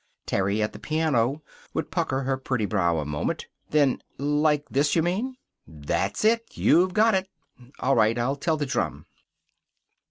Terry, at the piano, would pucker her pretty brow a moment. Then, "Like this, you mean?" "That's it! You've got it." "All right. I'll tell the drum."